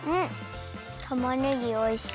たまねぎおいしい。